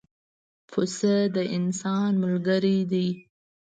پسه د انسان ملګری دی.